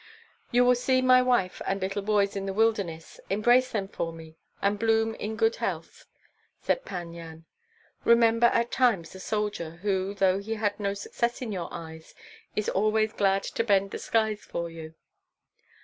"You will see my wife and little boys in the wilderness: embrace them for me, and bloom in good health," said Pan Yan. "Remember at times the soldier, who, though he had no success in your eyes, is always glad to bend the skies for you."